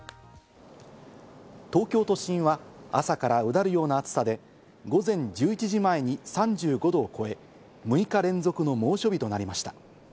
東京都心は朝からうだるような暑さで、午前１１時前に３５度を超え、６日連続の猛暑日となりました。